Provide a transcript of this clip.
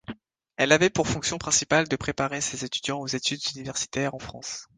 Elle avait pour fonction principale de préparer ces étudiants aux études universitaires en France.